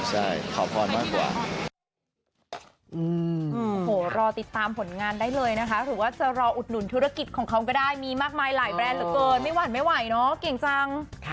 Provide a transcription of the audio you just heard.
ไหว้พระทำบูญอะไรอย่างงี้มากกว่าขอบควรมากกว่า